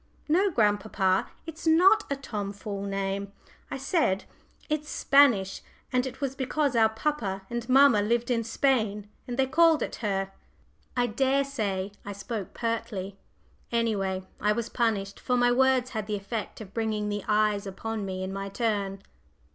"No, grandpapa, it's not a Tom fool name," I said. "It's Spanish; and it was because our papa and mamma lived in Spain that they called it her." I daresay I spoke pertly. Any way, I was punished, for my words had the effect of bringing the eyes upon me in my turn.